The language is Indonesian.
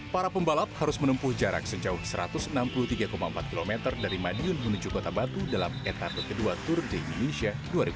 para pembalap harus menempuh jarak sejauh satu ratus enam puluh tiga empat km dari madiun menuju kota batu dalam etapa kedua tour de indonesia dua ribu dua puluh